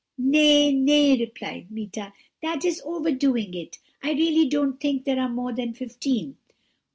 "'Nay, nay,' replied Meeta, 'that is overdoing it; I really don't think there are more than fifteen.'